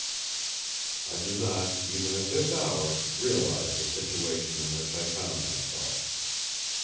I do not, even at this hour, realize the situation in which I found myself.